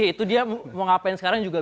itu dia mau ngapain sekarang juga